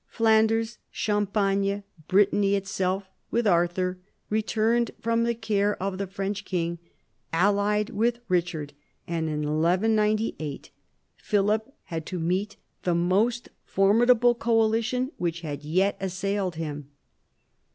Flanders, Champagne, Brittany itself, with Arthur, returned from the care of the French king, allied with Richard; and in 1198 Philip had to meet the most formidable coalition which had yet assailed him.